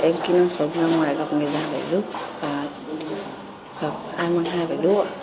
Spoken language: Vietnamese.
cô và em kỹ năng sống ra ngoài gặp người già phải giúp và học ai mong hai phải đúc ạ